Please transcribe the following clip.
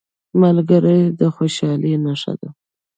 ملګری د خوشحالۍ نښه ده